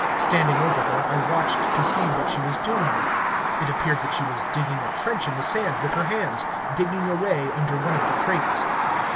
Standing over her, I watched to see what she was doing. It appeared that she was digging a trench in the sand with her hands digging away under one of the crates.